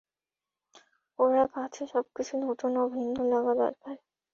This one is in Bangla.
ওরা কাছে সবকিছু নতুন ও ভিন্ন লাগা দরকার।